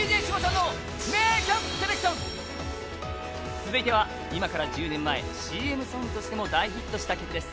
続いては、今から１０年前、ＣＭソングとしても大ヒットした曲です。